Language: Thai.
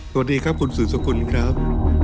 สวัสดีครับคุณสื่อสกุลครับ